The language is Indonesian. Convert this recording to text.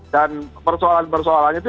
dan persoalan persoalan itu